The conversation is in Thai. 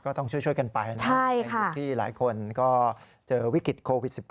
ก็ต้องช่วยกันไปที่หลายคนก็เจอวิกฤตโควิด๑๙